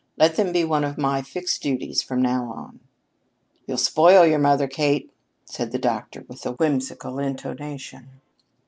"Let that be one of my fixed duties from now on." "You'll spoil your mother, Kate," said the doctor with a whimsical intonation.